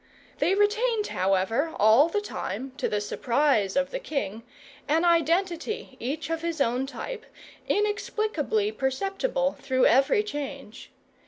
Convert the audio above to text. They retained, however, all the time, to the surprise of the king, an identity, each of his own type, inexplicably perceptible through every change.